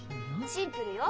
シンプルよ。